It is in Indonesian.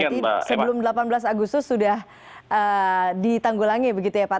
berarti sebelum delapan belas agustus sudah ditanggulangi begitu ya pak